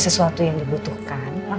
sekarang keisha sudah tenang